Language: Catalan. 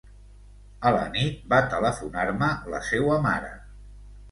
A la nit va telefonar-me la seua mare.